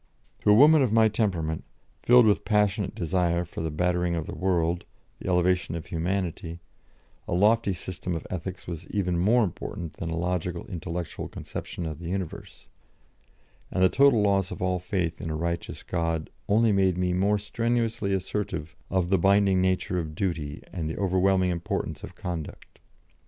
" To a woman of my temperament, filled with passionate desire for the bettering of the world, the elevation of humanity, a lofty system of ethics was of even more importance than a logical, intellectual conception of the universe; and the total loss of all faith in a righteous God only made me more strenuously assertive of the binding nature of duty and the overwhelming importance of conduct.